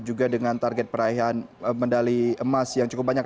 juga dengan target peraihan medali emas yang cukup banyak